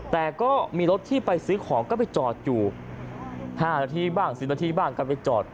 แต่ก็มีรถที่ไปซื้อของก็ไปจอดอยู่๕นาทีบ้าง๑๐นาทีบ้างก็ไปจอด